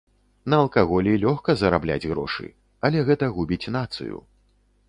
На алкаголі лёгка зарабляць грошы, але гэта губіць нацыю.